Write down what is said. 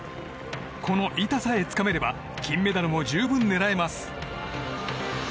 この板さえつかめれば金メダルも十分狙えます。